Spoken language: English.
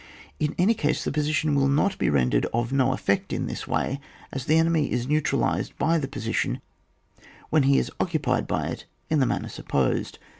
In any case the position will not be rendered of no effect in this way, as the enemy is neu tralised by the position when he is oc cupied by it in the manner supposed.